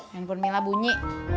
telepon mila bunyi